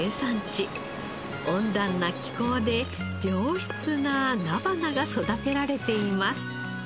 温暖な気候で良質な菜花が育てられています。